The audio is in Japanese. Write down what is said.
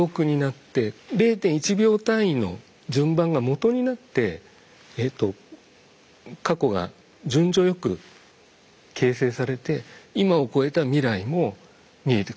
この０．１秒単位の順番がもとになってえっと過去が順序よく形成されて今を超えた未来も見えてくると。